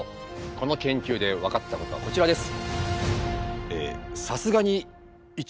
この研究で分かったことはこちらです。